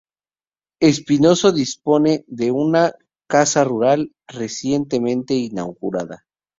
Espinoso dispone de una casa rural recientemente inaugurada.